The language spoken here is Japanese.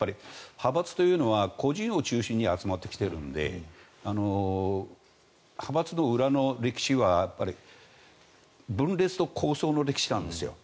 派閥というのは個人を中心に集まってきているので派閥の裏の歴史は分裂と抗争の歴史なんですよ。